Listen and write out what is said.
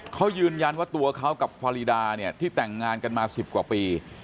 เขายืนยันว่าตัวเขากับฟารีดาเนี่ยที่แต่งงานกันมา๑๐กว่าปี